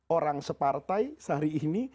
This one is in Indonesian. orang separtai sehari ini